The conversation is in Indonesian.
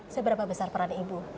seberapa besar peran ibu